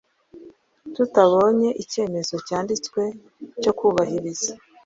tutabonye icyemezo cyanditse cyo kubahiriza